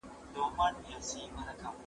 زه هره ورځ مېوې راټولوم؟!